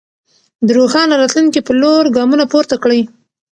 د روښانه راتلونکي په لور ګامونه پورته کړئ.